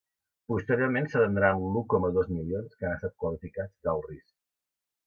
Posteriorment s’atendran l’u coma dos milions que han estat qualificats d’alt risc.